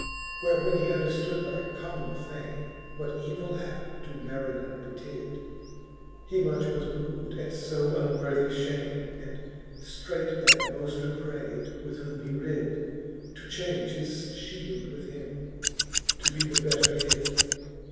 Where when he underftood by common fame, What evill hap to Marinell betid, He much was mov'd at lb unworthie fhame. And ftreight that boafter prayd, with whom he rid, To change his fhield with him, to be the better hid.